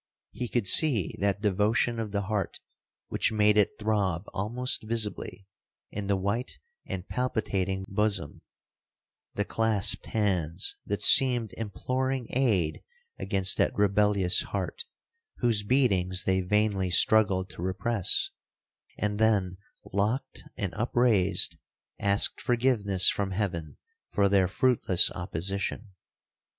He could see that devotion of the heart which made it throb almost visibly in the white and palpitating bosom—the clasped hands that seemed imploring aid against that rebellious heart, whose beatings they vainly struggled to repress; and then, locked and upraised, asked forgiveness from heaven for their fruitless opposition.